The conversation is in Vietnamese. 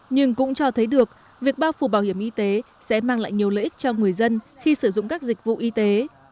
nhưng cũng cho thấy được việc bao phủ bảo hiểm y tế sẽ mang lại nhiều lợi ích cho người dân khi sử dụng các dịch vụ y tế